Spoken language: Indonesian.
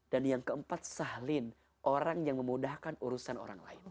dan yang keempat sahlin orang yang memudahkan urusan orang lain